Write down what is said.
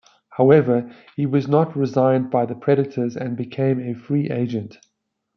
However, he was not re-signed by the Predators and became a free agent.